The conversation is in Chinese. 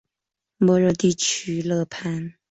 莫热地区勒潘。